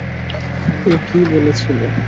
ও কী বলেছিল?